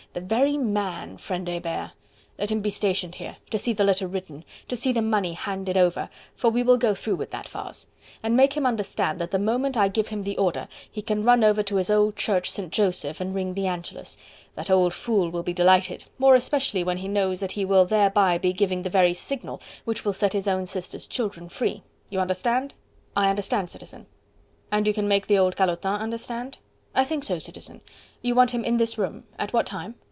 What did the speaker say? The very man, friend Hebert!... Let him be stationed here... to see the letter written... to see the money handed over for we will go through with that farce and make him understand that the moment I give him the order, he can run over to his old church St. Joseph and ring the Angelus. ... The old fool will be delighted... more especially when he knows that he will thereby be giving the very signal which will set his own sister's children free.... You understand?..." "I understand, Citizen." "And you can make the old calotin understand?" "I think so, Citizen.... You want him in this room.... At what time?"